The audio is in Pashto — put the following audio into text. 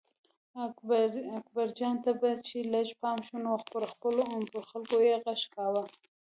اکبرجان ته به چې لږ پام شو نو پر خلکو یې غږ کاوه.